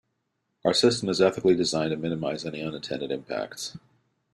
Our system is ethically designed to minimize any unintended impacts.